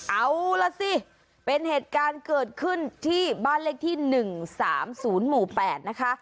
เอาล่ะสิเป็นเหตุการณ์เกิดขึ้นที่บ้านเลขที่๑๓๐หมู่๘นะคะ